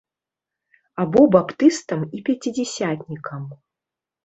Або баптыстам і пяцідзясятнікам.